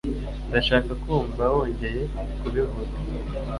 Ndashaka kumva wongeye kubivuga.